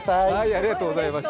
ありがとうございます。